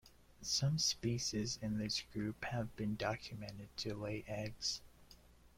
Some species in this group have been documented to lay eggs.